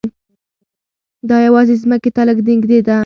دا یوازې ځمکې ته لږ نږدې ده.